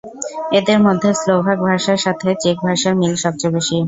এদের মধ্যে স্লোভাক ভাষার সাথে চেক ভাষার মিল সবচেয়ে বেশি।